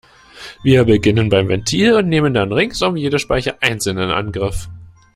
Wir beginnen beim Ventil und nehmen dann ringsum jede Speiche einzeln in Angriff.